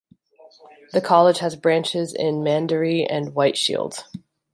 The college has branches in Mandaree and White Shield.